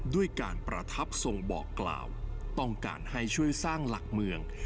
ด้วยการประทับทรงบอกกล่าวต้องการให้ช่วยสร้างหลักเมือง